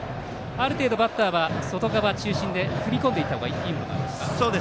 ある程度バッターは外側中心で踏み込んでいったほうがいいんですか。